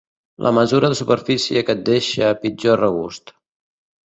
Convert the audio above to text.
La mesura de superfície que et deixa pitjor regust.